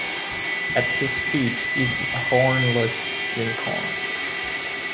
At his feet is a hornless unicorn.